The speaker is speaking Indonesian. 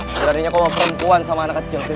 kurangnya kau mau perempuan sama anak kecil sih